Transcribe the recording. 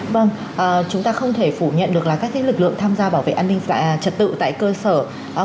vâng chúng ta không thể phủ nhận được là các lực lượng tham gia bảo vệ an ninh trật tự tại cơ sở